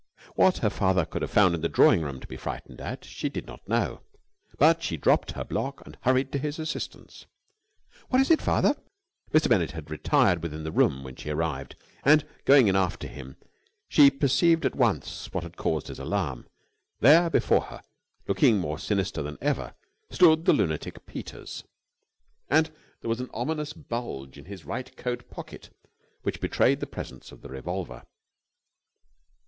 What her father could have found in the drawing room to be frightened at, she did not know; but she dropped her block and hurried to his assistance. "What it is, father?" Mr. Bennett had retired within the room when she arrived; and, going in after him, she perceived at once what had caused his alarm. There before her, looking more sinister than ever, stood the lunatic Peters; and there was an ominous bulge in his right coat pocket which betrayed the presence of the revolver.